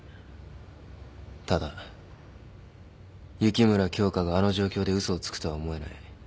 ただ雪村京花があの状況で嘘をつくとは思えない。